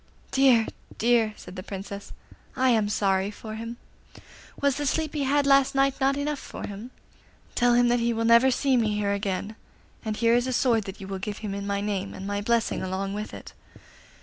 'Dear! dear!' said the Princess, 'I am sorry for him. Was the sleep he had last night not enough for him? Tell him that he will never see me here again; and here is a sword that you will give him in my name, and my blessing along with it.